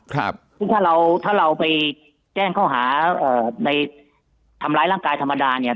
ซึ่งถ้าเราถ้าเราไปแจ้งข้อหาในทำร้ายร่างกายธรรมดาเนี่ย